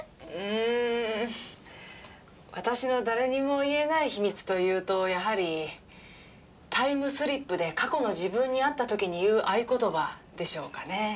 うん私の誰にも言えない秘密というとやはり「タイムスリップで過去の自分に会った時に言う合言葉」でしょうかね。